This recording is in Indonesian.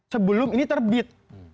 sebelum ini terbit